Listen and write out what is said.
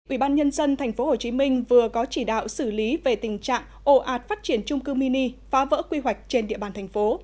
ủy ban nhân dân tp hcm vừa có chỉ đạo xử lý về tình trạng ồ ạt phát triển trung cư mini phá vỡ quy hoạch trên địa bàn thành phố